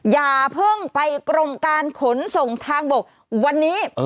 อย่าเพิ่งไปกรมการขนส่งทางบกวันนี้